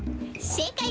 正解！